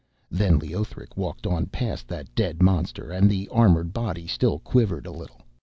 Then Leothric walked on past that dead monster, and the armoured body still quivered a little.